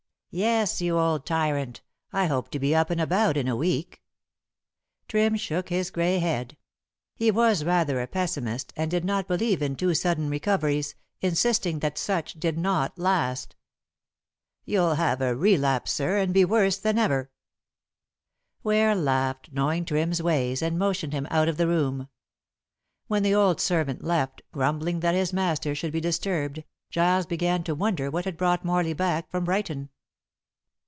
"Yes, you old tyrant. I hope to be up and about in a week." Trim shook his grey head. He was rather a pessimist, and did not believe in too sudden recoveries, insisting that such did not last. "You'll have a relapse, sir, and be worse than ever." Ware laughed, knowing Trim's ways, and motioned him out of the room. When the old servant left, grumbling that his master should be disturbed, Giles began to wonder what had brought Morley back from Brighton.